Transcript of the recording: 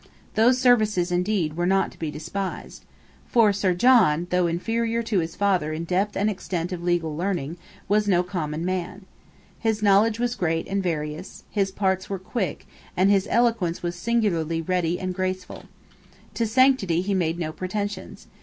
Those services indeed were not to be despised. For Sir John, though inferior to his father in depth and extent of legal learning, was no common man. His knowledge was great and various: his parts were quick; and his eloquence was singularly ready and graceful. To sanctity he made no pretensions.